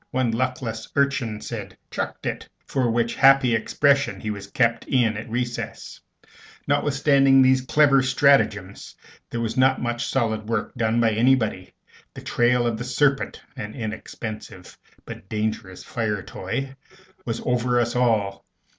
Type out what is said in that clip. One luckless urchin said, "Chucked it," for which happy expression he was kept in at recess. Notwithstanding these clever stratagems, there was not much solid work done by anybody. The trail of the serpent (an inexpensive but dangerous fire toy) was over us all.